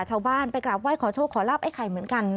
ชาวบ้านไปกราบไห้ขอโชคขอลาบไอ้ไข่เหมือนกัน